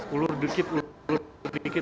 ulur dikit ulur dikit